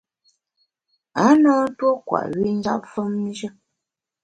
A na ntuo kwet wi njap famjù.